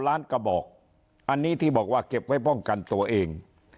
ล้านกระบอกอันนี้ที่บอกว่าเก็บไว้ป้องกันตัวเอง